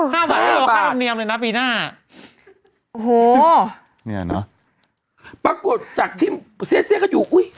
๕บาทเต้อข้ารบเนียมเลยนะปีหน้าโหเนี่ยเนอะปรากฏจากที่เศษก็อยู่